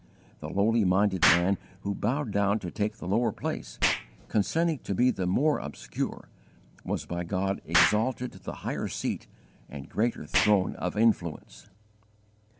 The lowly minded man who bowed down to take the lower place, consenting to be the more obscure, was by God exalted to the higher seat and greater throne of influence.